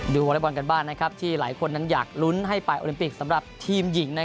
ดูหวัลย์บอร์นกาลบ้านที่หลายคนอยากรุ้นให้ไปโอลิมปิคสำหรับทีมหญิง